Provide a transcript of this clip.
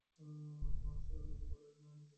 আসলে, লোকে বলে না, নিজের হিরোদের সাথে দেখা করা ঠিক না।